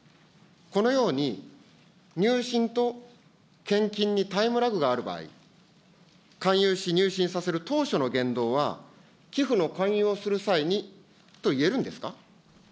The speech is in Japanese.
このように入信と献金にタイムラグがある場合、勧誘し、入信させる当初の言動は、寄付の勧誘をする際にといえるんですか。